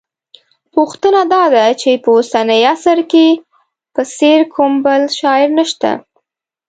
پوښتنه دا ده چې په اوسني عصر کې په څېر کوم بل شاعر شته